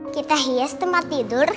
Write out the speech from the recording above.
kita hias tempat tidur